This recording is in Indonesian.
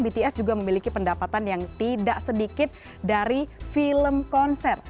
bts juga memiliki pendapatan yang tidak sedikit dari film konser